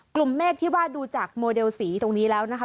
เมฆที่ว่าดูจากโมเดลสีตรงนี้แล้วนะคะ